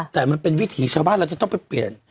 แต่มันเป็นวิถีชาวบ้านเราจะต้องไปเปลี่ยน